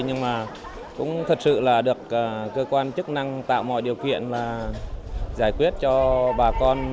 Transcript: nhưng mà cũng thật sự là được cơ quan chức năng tạo mọi điều kiện giải quyết cho bà con